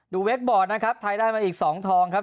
เวคบอร์ดนะครับไทยได้มาอีก๒ทองครับ